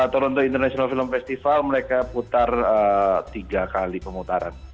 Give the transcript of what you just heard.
toronto international film festival mereka putar tiga kali pemutaran